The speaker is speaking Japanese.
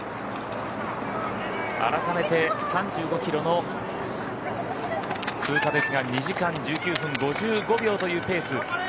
改めて３５キロの通過ですが２時間１９分５５秒というペース。